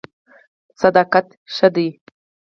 صداقت ښه دی.